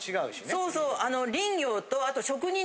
そうそう。